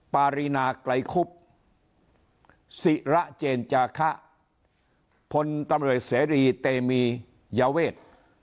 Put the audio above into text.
ปารีนาไกลคุบศิระเจนจาคะพลตำรวจเสรีเตมียเวท